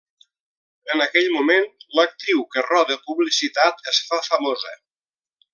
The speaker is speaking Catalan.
En aquell moment, l'actriu que roda publicitat, es fa famosa.